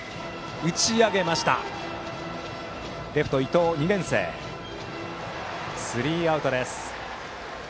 レフトの伊藤、２年生がつかんでスリーアウトです。